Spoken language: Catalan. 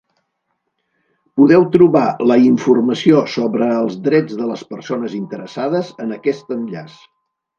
Podeu trobar la informació sobre els drets de les persones interessades en aquest enllaç.